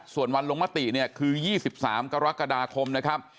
ส่วนวันลงมติเนี่ยคือ๒๓กรกฎาคมนะครับ